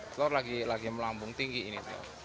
telur lagi melambung tinggi ini